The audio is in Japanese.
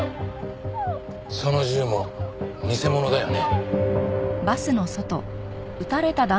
その銃も偽物だよね？